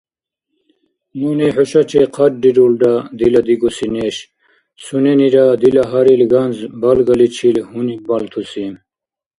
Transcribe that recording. Нуни хӀушачи хъаррирулра дила дигуси неш, суненира дила гьарил ганз балгаличил гьуниббалтуси.